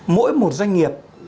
mỗi một doanh nghiệp